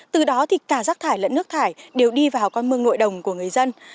từ đó thì cả rác thải lẫn nước thải đều đi vào con mương nội đồng của người dân